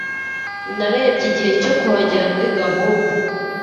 Narebye igihe cyo kuhagera muri gahunda.